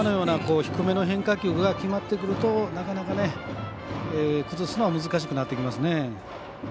低めの変化球が決まってくるとなかなか崩すのは難しくなってきますね。